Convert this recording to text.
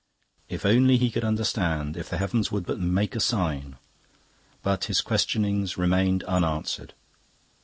If only he could understand, if the heavens would but make a sign! But his questionings remained unanswered.